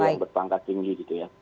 yang berpangkat tinggi gitu ya